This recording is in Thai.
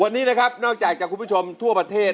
วันนี้นะครับนอกจากจากคุณผู้ชมทั่วประเทศ